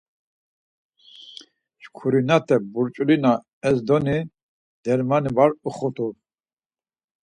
Şǩurinate burç̌ulina ezdoni dermani var uxurt̆u.